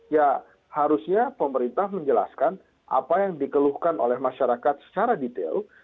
ya harusnya pemerintah menjelaskan apa yang dikeluhkan oleh masyarakat secara detail